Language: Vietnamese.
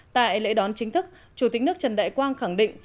tại lễ đón chính thức chủ tịch nước trần đại quang khẳng định